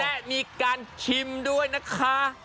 และมีการชิมด้วยนะคะ